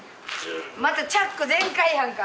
またチャック全開やんか。